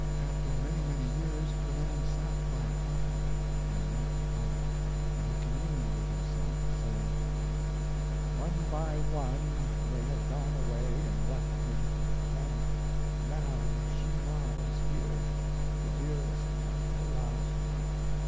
After many, many years the man sat by a coffin, in an empty home. And he communed with himself, saying: "One by one they have gone away and left me; and now she lies here, the dearest and the last.